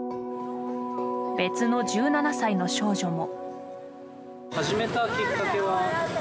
別の１７歳の少女も。